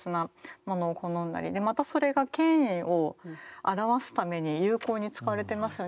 でまたそれが権威を表すために有効に使われてますよね。